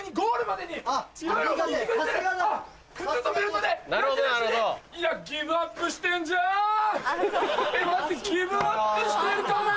待ってギブアップしてるかも！